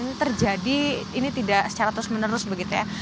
ini terjadi ini tidak secara terus menerus begitu ya